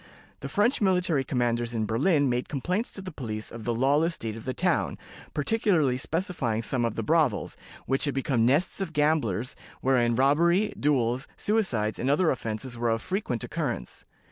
The French military commanders in Berlin made complaints to the police of the lawless state of the town, particularly specifying some of the brothels, which had become nests of gamblers, wherein robbery, duels, suicides, and other offenses were of frequent occurrence.